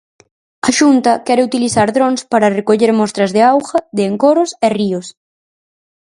A Xunta quere utilizar drons para recoller mostras de auga de encoros e ríos.